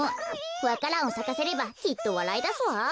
わか蘭をさかせればきっとわらいだすわ。